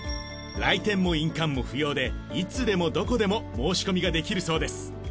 来店も印鑑も不要でいつでもどこでも申し込みができるそうです。